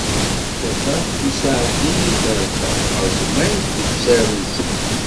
Kkateɣ d tisaɛtin di tarda, aẓmay d ufsar-nsent.